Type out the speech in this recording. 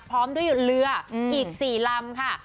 พร้อมด้วยเรืออีก๔ลำค่ะ